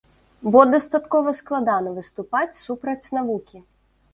Бо дастаткова складана выступаць супраць навукі.